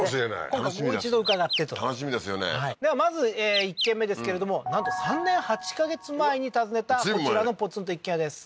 今回もう一度伺ってと楽しみですよねではまず１軒目ですけれどもなんと３年８カ月前に訪ねたこちらのポツンと一軒家です